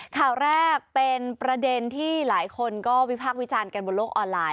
ข่าวแรกเป็นประเด็นที่หลายคนก็วิพากษ์วิจารณ์กันบนโลกออนไลน